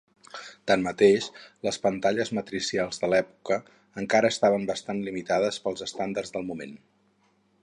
Tanmateix, les pantalles matricials de l'època encara estaven bastant limitades pels estàndards del moment.